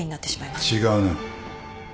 違うな。